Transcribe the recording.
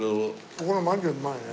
ここのマジでうまいね。